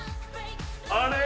あれ？